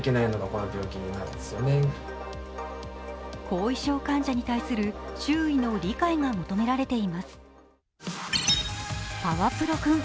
後遺症患者に対する周囲の理解が求められています。